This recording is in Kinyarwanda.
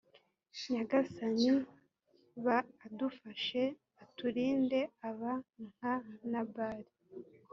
nyagasani baadufashe aturindeaba nka nabali